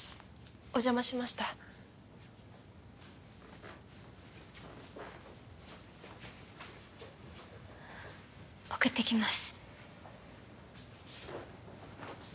お邪魔しました送ってきます